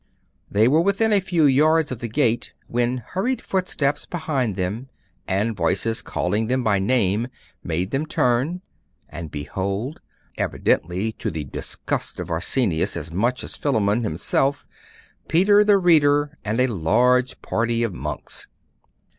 They were within a few yards of the gate, when hurried footsteps behind them, and voices calling them by name, made them turn; and behold, evidently to the disgust of Arsenius as much as Philammon himself, Peter the Reader and a large party of monks!